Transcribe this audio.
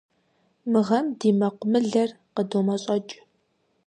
Мы гъэм ди мэкъумылэр къыдомэщӏэкӏ.